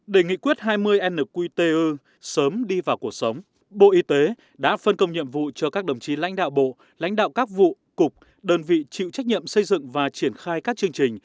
để nghị quyết hai mươi nqtu sớm đi vào cuộc sống bộ y tế đã phân công nhiệm vụ cho các đồng chí lãnh đạo bộ lãnh đạo các vụ cục đơn vị chịu trách nhiệm xây dựng và triển khai các chương trình